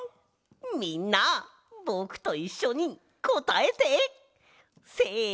みんなぼくといっしょにこたえて！せの！